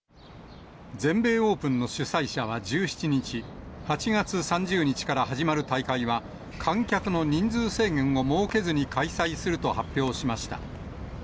全米オープンの主催者は１７日、８月３０日から始まる大会は、観客の人数制限を設けずに開催すると発表しました。